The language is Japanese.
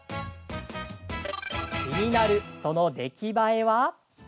気になる、その出来栄えは？